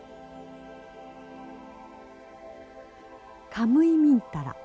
カムイミンタラ。